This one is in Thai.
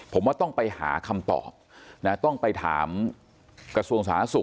ผมว่าต้องไปหาคำตอบนะต้องไปถามกระทรวงสาธารณสุข